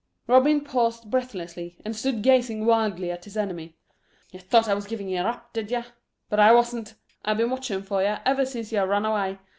Robin paused breathlessly, and stood gazing wildly at his enemy. "Yer thought I was giving yer up, did yer, but I wasn't. I've been watching for yer ever since yer run away.